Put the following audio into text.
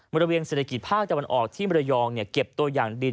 บริเวณเศรษฐกิจภาคตะวันออกที่มรยองเก็บตัวอย่างดิน